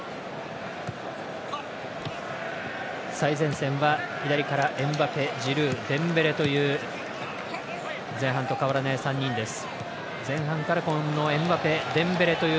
最前線は左からエムバペ、ジルーデンベレという前半と変わらない３人です。